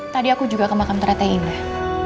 tadi aku juga ke makam teratai indah